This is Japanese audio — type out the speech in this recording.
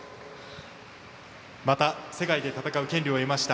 また世界で戦う権利を得ました。